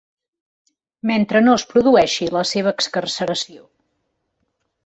Mentre no es produeixi la seva excarceració.